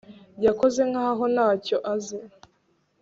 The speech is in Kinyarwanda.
Yakoze nkaho ntacyo azi